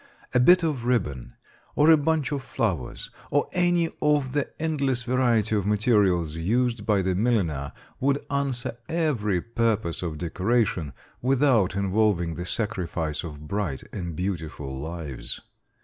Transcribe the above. A bit of ribbon, or a bunch of flowers, or any of the endless variety of materials used by the milliner would answer every purpose of decoration, without involving the sacrifice of bright and beautiful lives.